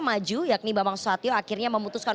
maju yakni bapak soekarno satio akhirnya memutuskan